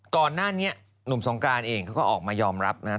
ก่อนหน้านี้หนุ่มสงการเองเขาก็ออกมายอมรับนะครับ